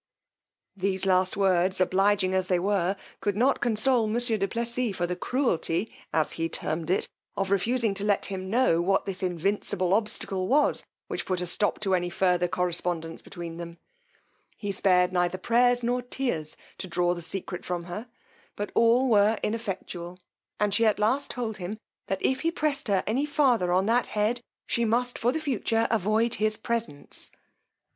These last words, obliging as they were, could not console monsieur du Plessis for the cruelty, as he termed it, of refusing to let him know what this invincible obstacle was which put a stop to any further correspondence between them: he spared neither prayers nor tears to draw the secret from her, but all were ineffectual; and she at last told him, that if he pressed her any farther on that head, she must for the future avoid his presence.